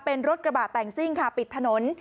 เป็นรถกระบะแต่งซิ่งค่ะปิดถนน